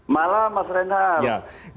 malam mas renhar